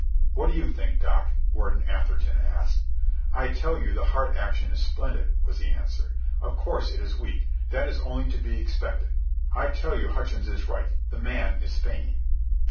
"What do you think, Doc?" Warden Atherton asked. "I tell you the heart action is splendid," was the answer. "Of course it is weak. That is only to be expected. I tell you Hutchins is right. The man is feigning."